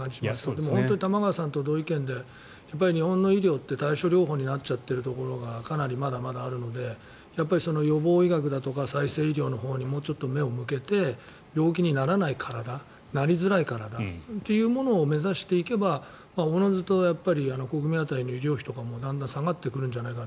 でも、本当に玉川さんと同意見で日本の医療って対症療法になっちゃっているところがかなり、まだまだあるので予防医学だとか再生医療のほうにもうちょっと目を向けて病気にならない体なりづらい体というものを目指していけばおのずと国民当たりの医療費とかもだんだん下がってくるんじゃないかな。